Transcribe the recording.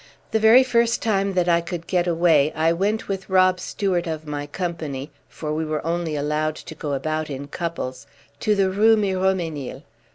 The very first time that I could get away I went with Rob Stewart, of my company for we were only allowed to go about in couples to the Rue Miromesnil.